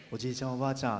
おばあちゃん